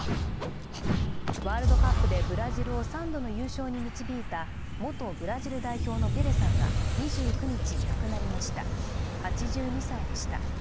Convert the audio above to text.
ワールドカップでブラジルを３度の優勝に導いた元ブラジル代表のペレさんが２９日亡くなりました、８２歳でした。